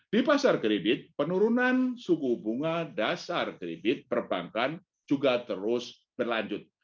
di pasar kredit penurunan suku bunga dasar kredit perbankan juga terus berlanjut